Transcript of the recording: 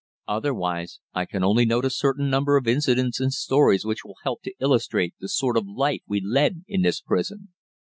Otherwise, I can only note a certain number of incidents and stories which will help to illustrate the sort of life we led in this prison.